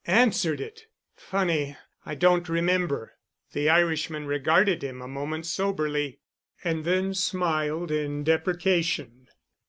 "Answered it! Funny I don't remember." The Irishman regarded him a moment soberly, and then smiled in deprecation.